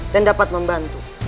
dan dapat membantu